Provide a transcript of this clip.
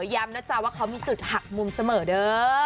ย้ำนะจ๊ะว่าเขามีจุดหักมุมเสมอเด้อ